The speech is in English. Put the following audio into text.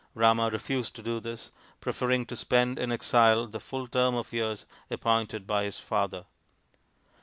Rama refused to do this, preferring to spend in exile the full term of years appointed by his father.